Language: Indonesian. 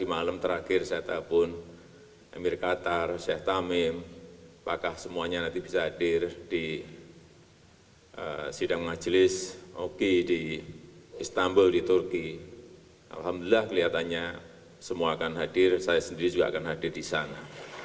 alhamdulillah kelihatannya semua akan hadir saya sendiri juga akan hadir di sana